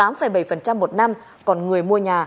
tám bảy một năm còn người mua nhà